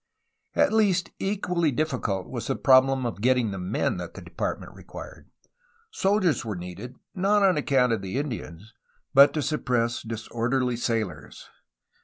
At least equally difficult was the problem of getting the men that the Department required. Soldiers were needed, not on account of Indians, but to suppress disorderly sailors.